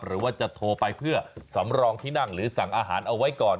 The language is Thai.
หรือว่าจะโทรไปเพื่อสำรองที่นั่งหรือสั่งอาหารเอาไว้ก่อน